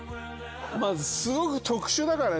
すごく特殊だからね。